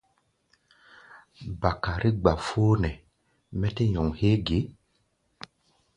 Ɓakare gbafón hɛ̧ɛ̧, mɛ́ tɛ́ nyɔŋ héé ge?